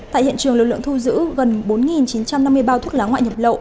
tại hiện trường lực lượng thu giữ gần bốn chín trăm năm mươi bao thuốc lá ngoại nhập lậu